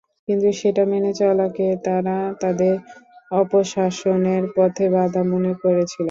কিন্তু সেটা মেনে চলাকে তারা তাদের অপশাসনের পথে বাধা মনে করেছিল।